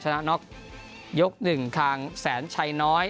ชนะน็อกยก๑คางแสนชัยน้อย